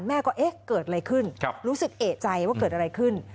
แม่ก็เอ๊ะเกิดอะไรขึ้นรู้สึกเอกใจว่าเกิดอะไรขึ้น